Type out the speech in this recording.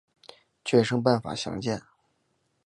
决胜办法详见。